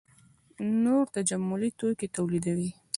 نور تجملي توکي تولیدوي.